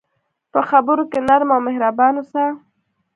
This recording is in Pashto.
په خبرو کې نرم او مهربان اوسه.